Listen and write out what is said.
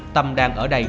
tâm đang ở đây